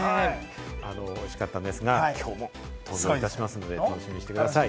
おいしかったんですが、きょうも登場しますので楽しみにしてください。